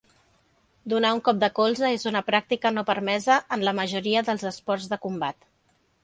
Donar un cop de colze és una pràctica no permesa en la majoria dels esports de combat.